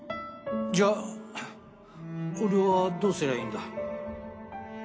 じゃあ俺はどうすりゃいいんだ？